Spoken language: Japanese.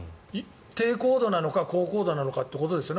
低高度なのか高高度なのかってことですよね